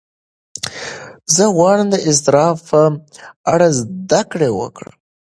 زه غواړم د اضطراب په اړه زده کړه وکړم.